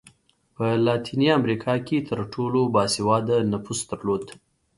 په لاتینه امریکا کې تر ټولو با سواده نفوس درلود.